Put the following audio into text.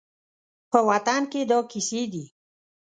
په وطن کې دا کیسې دي